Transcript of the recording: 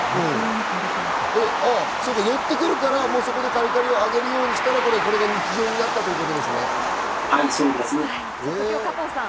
寄ってくるからそこでカリカリをあげるようにしたら、これが日常になったということですね。